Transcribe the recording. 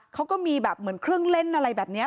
เขาก็มีแบบเหมือนเครื่องเล่นอะไรแบบนี้